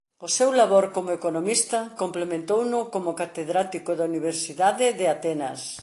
O seu labor como economista complementouno como catedrático da Universidade de Atenas.